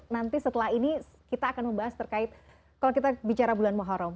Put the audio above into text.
nanti setelah ini kita akan membahas terkait kalau kita bicara bulan muharram